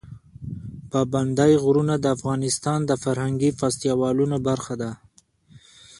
پابندی غرونه د افغانستان د فرهنګي فستیوالونو برخه ده.